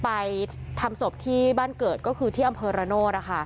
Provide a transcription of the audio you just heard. ไปทำศพที่บ้านเกิดก็คือที่อำเภอระโนธ